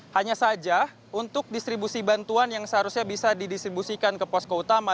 hanya saja untuk distribusi bantuan yang seharusnya bisa didistribusikan ke posko utama